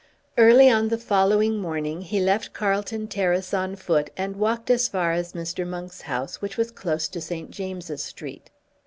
Early on the following morning he left Carlton Terrace on foot and walked as far as Mr. Monk's house, which was close to St. James's Street.